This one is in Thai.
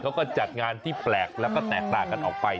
เขาก็จัดงานที่แปลกแล้วก็แตกต่างกันออกไป